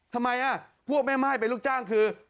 ทำไมพวกแม่ม่ายเป็นลูกจ้างคือ